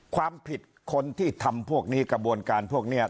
ความผิดคนที่ทำพวกนี้กระบวนการพวกนี้